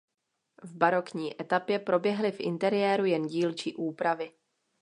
V barokní etapě proběhly v interiéru jen dílčí úpravy.